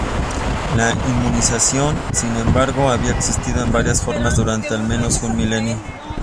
La inmunización, sin embargo, había existido de varias formas durante al menos un milenio.